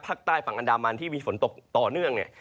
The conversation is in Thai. ภาคใต้ฝั่งอันดามันที่มีฝนตกต่อเนื่องเนี่ย